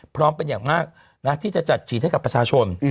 พร้อมเป็นอย่างมากที่จะจัดฉีดให้กับประชาชน